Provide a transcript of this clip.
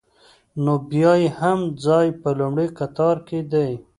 نو بیا یې هم ځای په لومړي قطار کې دی.